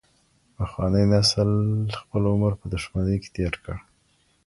پخواني نسل خپل عمر په دښمنۍ کي تیر کړ.